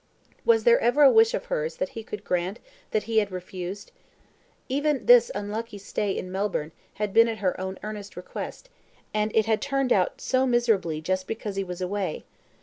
Was there ever a wish of hers that he could grant that he had refused? Even this unlucky stay in Melbourne had been at her own earnest request, and it had turned out so miserably, just because he was away.